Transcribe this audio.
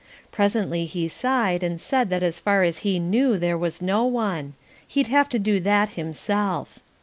Presently he sighed and said that as far as he knew there was no one; he'd have to do that himself.